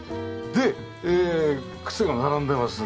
で靴が並んでます。